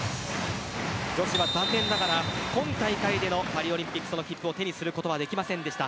女子は残念ながら今大会でパリオリンピックの切符を手にすることはできませんでした。